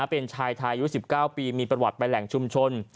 เป็นชายไทยอายุ๑๙ปีมีประวัติไปแหล่งชุมชน